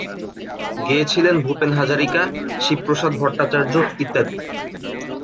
গেয়েছিলেন ভূপেন হাজারিকা, শিবপ্রসাদ ভট্টাচার্য ইত্যাদি।